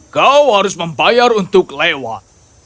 kau harus membayar untuk lewat